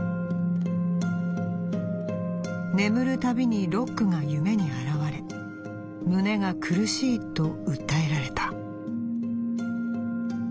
「眠るたびにろっくが夢に現われ胸が苦しいと訴えられた」。